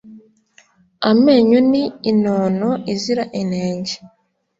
amenyo ni inono izira inenge